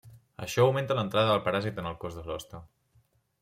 Això augmenta l'entrada del paràsit en el cos de l'hoste.